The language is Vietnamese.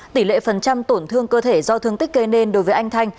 tỷ lệ phần trăm tổn thương cơ thể do thương tích gây nên đối với anh thanh